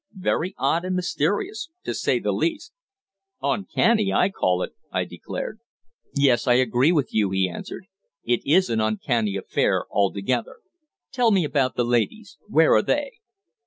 Very odd and mysterious, to say the least." "Uncanny, I call it," I declared. "Yes, I agree with you," he answered. "It is an uncanny affair altogether. Tell me about the ladies. Where are they?"